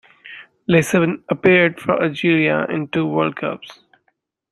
Lacen appeared for Algeria in two World Cups.